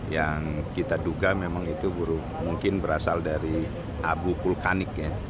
yang kita duga memang itu mungkin berasal dari abu vulkanik ya